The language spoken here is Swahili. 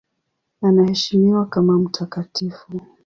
Anaheshimiwa kama mtakatifu.